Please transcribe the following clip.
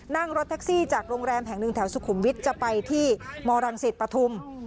นั่งรถแท็กซี่จากโรงแรมแห่งหนึ่งแถวสุขุมวิทย์จะไปที่มรังสิตปฐุม